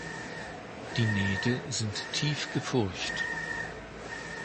Die Nähte sind tief gefurcht.